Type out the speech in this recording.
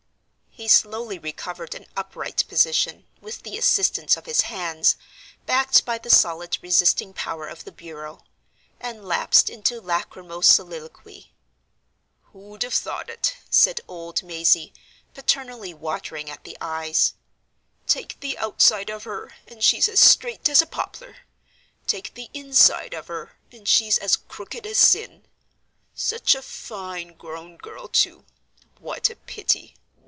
He slowly recovered an upright position, with the assistance of his hands, backed by the solid resisting power of the bureau; and lapsed into lachrymose soliloquy. "Who'd have thought it?" said old Mazey, paternally watering at the eyes. "Take the outside of her, and she's as straight as a poplar; take the inside of her, and she's as crooked as Sin. Such a fine grown girl, too. What a pity!